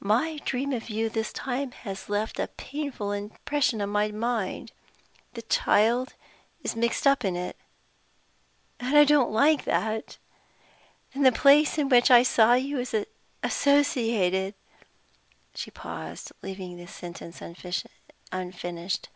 My dream of you this time has left a painful impression on my mind. The child is mixed up in it and I don't like that. Then the place in which I saw you is associated " She paused, leaving the sentence unfinished.